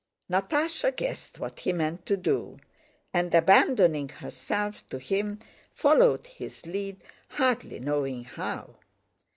Natásha guessed what he meant to do, and abandoning herself to him followed his lead hardly knowing how.